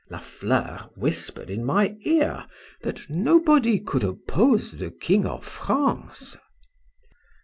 La Fleur whispered in my ear, That nobody could oppose the king of France.